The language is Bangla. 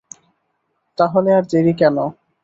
তা হলে আর দেরি কেন।